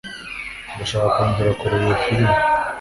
ndashaka kongera kureba iyo firime